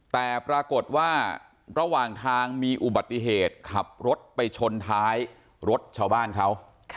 แต่ปรากฏว่าระหว่างทางมีอุบัติเหตุขับรถไปชนท้ายรถชาวบ้านเขา